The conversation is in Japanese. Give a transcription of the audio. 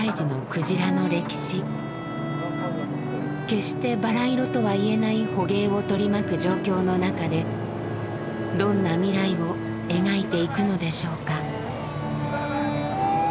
決してバラ色とは言えない捕鯨を取り巻く状況の中でどんな未来を描いていくのでしょうか。